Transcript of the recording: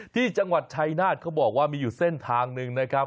ที่จังหวัดชายนาฏเขาบอกว่ามีอยู่เส้นทางหนึ่งนะครับ